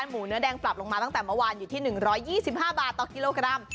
หมูเนื้อแดงปรับลงมาตั้งแต่เมื่อวานอยู่ที่๑๒๕บาทต่อกิโลกรัม